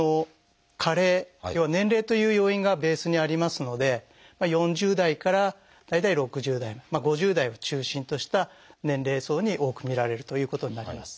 加齢要は年齢という要因がベースにありますので４０代から大体６０代５０代を中心とした年齢層に多く見られるということになります。